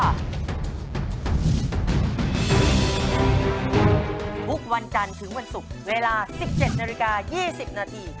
ทุกวันจันทร์ถึงวันศุกร์เวลา๑๗นาฬิกา๒๐นาที